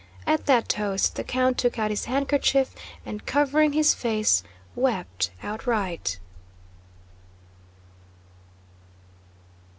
At that toast, the count took out his handkerchief and, covering his face, wept outright.